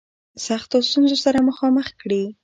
سختو ستونزو سره مخامخ کړي.